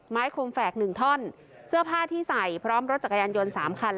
คมแฝก๑ท่อนเสื้อผ้าที่ใส่พร้อมรถจักรยานยนต์๓คัน